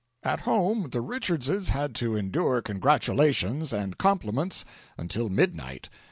IV At home the Richardses had to endure congratulations and compliments until midnight.